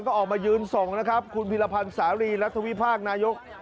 ก็ออกมายืนส่งนะครับคุณพิรพันธ์สารีรัฐวิพากษ์นายก